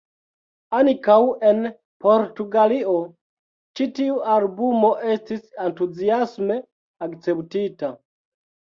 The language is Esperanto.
Ankaŭ en Portugalio ĉi tiu albumo estis entuziasme akceptita.